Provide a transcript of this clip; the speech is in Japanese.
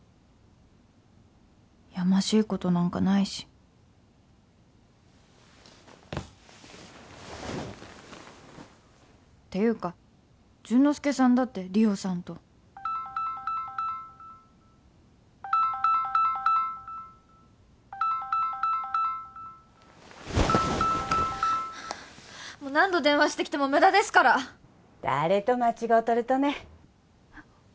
やましいことなんかないしていうか潤之介さんだって理緒さんと何度電話してきても無駄ですから誰と間違うとるとね？